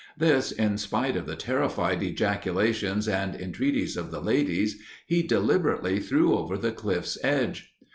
This, in spite of the terrified ejaculations and entreaties of the ladies, he deliberately threw over the cliff's edge.